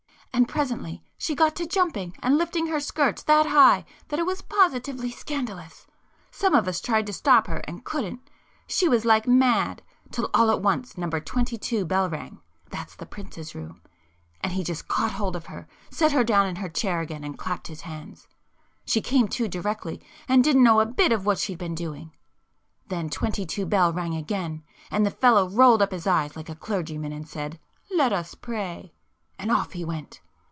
And presently she got to jumping and lifting her skirts that high that it was positively scandalous! Some of us tried to stop her and couldn't; she was like mad, till all at once number twenty two bell rang—that's the prince's [p 124] room,—and he just caught hold of her, set her down in her chair again and clapped his hands. She came to directly, and didn't know a bit what she'd been doing. Then twenty two bell rang again, and the fellow rolled up his eyes like a clergyman and said, 'Let us pray!' and off he went."